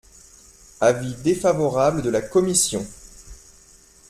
Avis défavorable de la commission.